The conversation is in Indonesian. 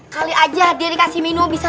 kali aja dia dikasih minum bisa sadar